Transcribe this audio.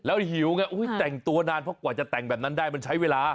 แล้วหิวง่ะเอ้ยแต่งตัวนานเพราะว่าจะแต่งแบบนั้นได้มันใช้เวลา